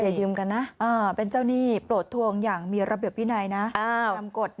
ยืมกันนะเป็นเจ้าหนี้โปรดทวงอย่างมีระเบียบวินัยนะตามกฎ